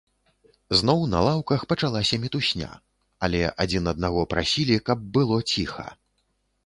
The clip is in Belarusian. Зноў на лаўках пачулася мітусня, але адзін аднаго прасілі, каб было ціха.